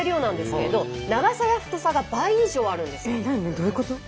どういうこと？